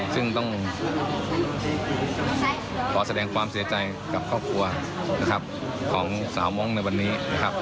ซึ่งต้องขอแสดงความเสียใจกับครอบครัวของเสามองในวันนี้